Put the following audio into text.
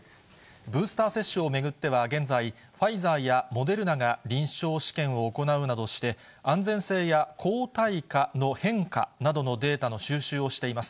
ブースター接種を巡っては現在、ファイザーやモデルナが臨床試験を行うなどして、安全性や抗体価の変化などのデータの収集をしています。